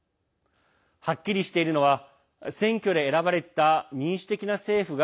はっきりしているのは選挙で選ばれた民主的な政府が